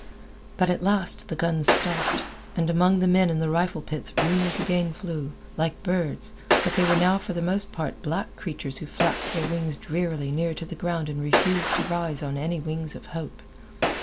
But at last the guns stopped, and among the men in the rifle pits rumors again flew, like birds, but they were now for the most part black creatures who flapped their wings drearily near to the ground and refused to rise on any wings of hope.